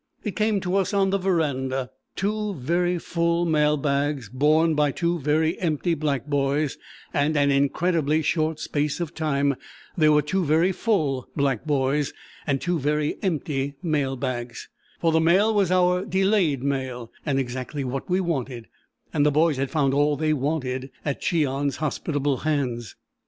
It came to us on the verandah. Two very full Mailbags borne by two very empty black boys, and in an incredibly short space of time there were two very full black boys, and two very empty mail bags; for the mail was our delayed mail, and exactly what we wanted; and the boys had found all they wanted at Cheon's hospitable hands.